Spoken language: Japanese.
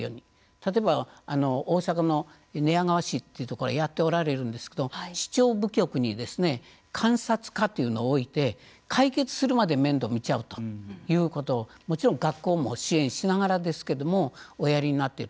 例えば大阪の寝屋川市というところがやっておられるんですけど市長部局に監察課というのを置いて解決するまで面倒を見ちゃうということをもちろん学校も支援しながらですけれどもおやりになっている。